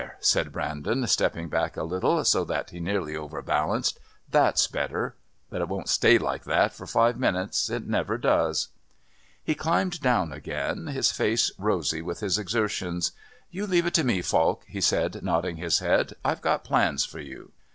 said Brandon, stepping back a little, so that he nearly overbalanced. "That's better. But it won't stay like that for five minutes. It never does." He climbed down again, his face rosy with his exertions. "You leave it to me, Falk," he said, nodding his head. "I've got plans for you."